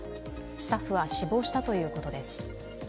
スタッフは死亡したということです。